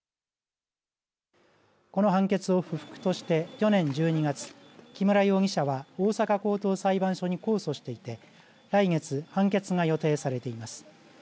この判決を不服として去年１２月木村容疑者は大阪高等裁判所に控訴していて来月、判決が予定されています。